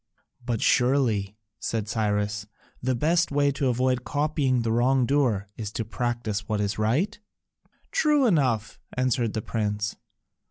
"But surely," said Cyrus, "the best way to avoid copying the wrongdoer is to practise what is right?" "True enough," answered the prince.